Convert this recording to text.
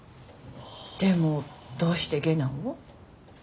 でもどうして下男を？